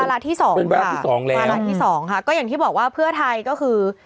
วาระที่สองค่ะวาระที่สองค่ะก็อย่างที่บอกว่าเพื่อไทยก็คือ